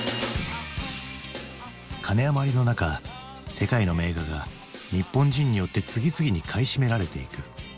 世界の名画が日本人によって次々に買い占められていく。